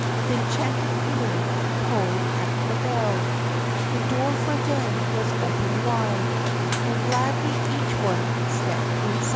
Then Chanticleer pulled at the bell; The door for them was opened wide, And gladly each one stepped inside.